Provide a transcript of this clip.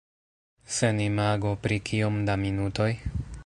Sen imago pri kiom da minutoj?